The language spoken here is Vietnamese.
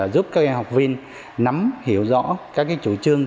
giúp các em học viên nắm hiểu rõ các chủ trương